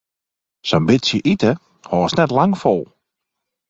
Sa'n bytsje ite hâldst net lang fol.